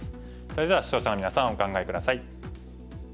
それでは視聴者のみなさんお考え下さい。